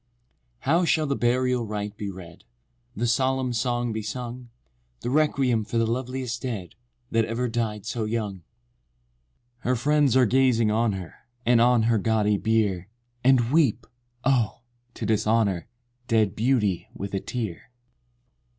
How shall the burial rite be read? The solemn song be sung? The requiem for the loveliest dead, That ever died so young? II. Her friends are gazing on her, And on her gaudy bier, And weep!—oh! to dishonor Dead beauty with a tear!